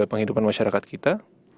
penghidupan masyarakat kita